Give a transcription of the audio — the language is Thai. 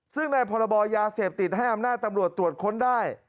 ซึ่งในพรบยาเสพติดให้อำนาจตำรวจตรวจค้นได้